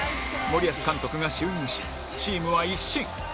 森保監督が就任しチームは一新